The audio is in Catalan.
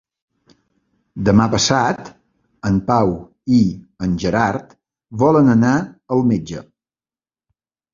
Demà passat en Pau i en Gerard volen anar al metge.